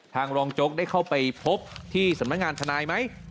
รองโจ๊กได้เข้าไปพบที่สำนักงานทนายไหม